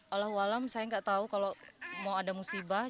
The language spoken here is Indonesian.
alhamdulillah saya gak tahu kalau mau ada musibah